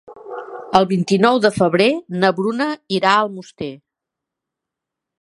El vint-i-nou de febrer na Bruna irà a Almoster.